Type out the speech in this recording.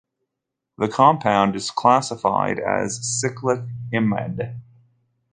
The compound is classified as a cyclic imide.